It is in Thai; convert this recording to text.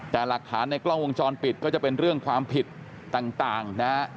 แต่หลักฐานในกล้องวงจรปิดก็จะเป็นเรื่องความผิดต่างนะฮะ